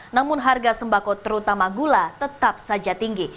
namun harga sembako terutama gula tetap saja tinggi